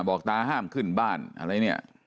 บอกตาห้ามขึ้นบ้านอะไรเนี่ย